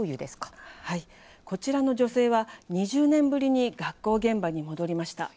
こちらの女性は２０年ぶりに学校現場に戻りました。